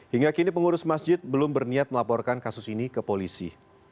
hingga kini pengurus masjid belum berniat melaporkan kasus ini ke polisi